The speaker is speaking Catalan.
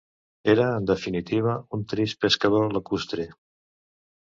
Era, en definitiva, un trist pescador lacustre.